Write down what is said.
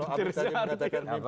petir di siang hari apa